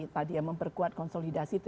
tadi ya memperkuat konsolidasi